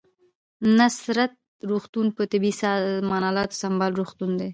نصرت روغتون په طبي سامان الاتو سمبال روغتون دی